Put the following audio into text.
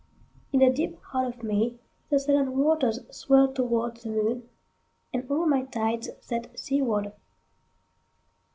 In the deep heart of meThe sullen waters swell towards the moon, And all my tides set seaward.